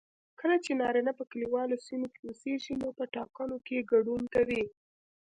کله چې نارینه په کليوالو سیمو کې اوسیږي نو په ټاکنو کې ګډون کوي